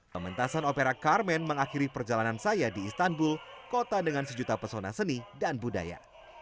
pementasan opera carmen mengakhiri perjalanan saya di istanbul kota dengan sejuta pesona seni dan budaya